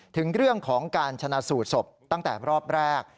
ถึงเรื่องของการชนะสูตรศพตั้งแต่รอบแรก